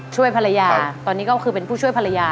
ช่วยภรรยาตอนนี้ก็คือเป็นผู้ช่วยภรรยา